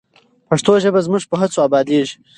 پښتو ژبه زموږ په هڅو ابادیږي.